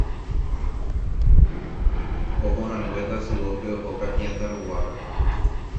Ohorãngue Tasyópe oho Kapiatã ruguápe.